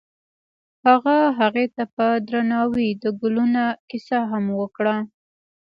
هغه هغې ته په درناوي د ګلونه کیسه هم وکړه.